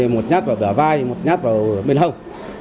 một nhát vào vẻ vai một nhát vào bên hông